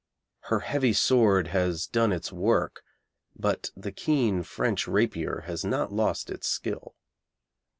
Her heavy sword has done its work, but the keen French rapier has not lost its skill.